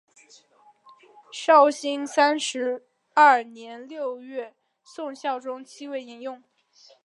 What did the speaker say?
绍兴三十二年六月宋孝宗即位沿用。